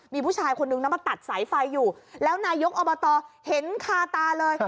มีผู้ชายคนนึงนะมาตัดสายไฟอยู่แล้วนายกอบตเห็นคาตาเลย